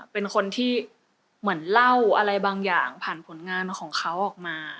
เป็นคนที่เหมือนเล่าอะไรบางอย่างผ่านผลงานของเขาออกมา